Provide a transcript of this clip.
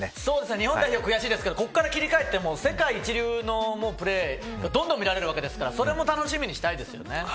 日本代表悔しいですけどここから切り替えて世界一流のプレーがどんどん見られるわけですからそれも楽しみにしたいですね。